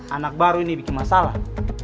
anak baru ini bikin masalah